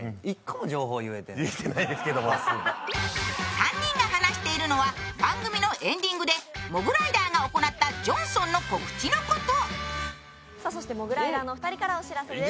３人が話しているのは番組のエンディングでモグライダーが行った「ジョンソン」の告知のこと。